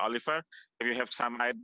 oliver apakah anda punya ide